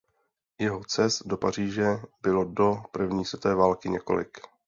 Jeho cest do Paříže bylo do první světové války několik.